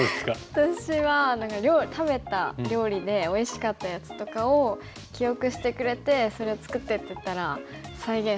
私は食べた料理でおいしかったやつとかを記憶してくれてそれを作ってってたら再現してくれたりとかあったら。